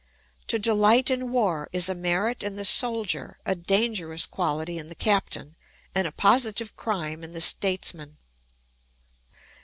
To delight in war is a merit in the soldier, a dangerous quality in the captain, and a positive crime in the statesman.